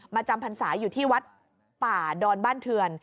จำพรรษาอยู่ที่วัดป่าดอนบ้านเทือน